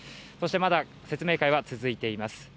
まだ説明会は続いています。